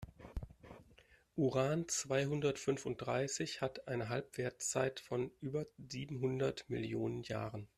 Uran-zweihundertfünfunddreißig hat eine Halbwertszeit von über siebenhundert Millionen Jahren.